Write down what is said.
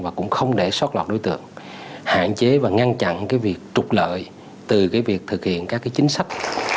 và cũng không để sót lọt đối tượng hạn chế và ngăn chặn việc trục lợi từ việc thực hiện các chính sách